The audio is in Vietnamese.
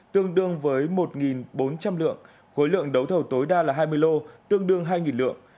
tương đương với một bốn trăm linh lượng khối lượng đấu thầu tối đa là hai mươi lô tương đương hai lượng